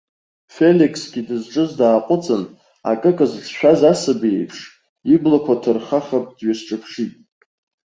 Феликсгьы дызҿыз дааҟәыҵын, акыка зыҿшәаз асаби иеиԥш, иблақәа ҭырхаха дҩасҿаԥшит.